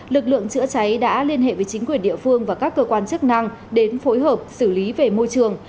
lực lượng chữa cháy đã liên hệ với chính quyền địa phương và các cơ quan chức năng đến phối hợp xử lý về môi trường